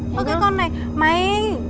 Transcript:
thôi cái con này mày